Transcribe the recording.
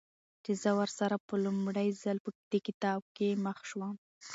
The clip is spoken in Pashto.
چې زه ورسره په لومړي ځل په دې کتاب کې مخ شوم.